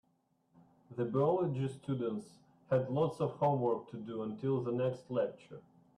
The biology students had lots of homework to do until the next lecture.